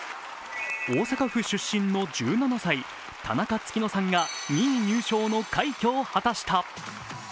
大阪府出身の１７歳、田中月乃さんが２位入賞の快挙を果たした。